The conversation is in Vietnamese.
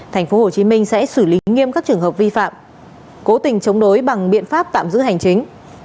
tp hcm sẽ xử lý nghiêm các trường hợp vi phạm cố tình chống đối bằng biện pháp tạm giữ hành chính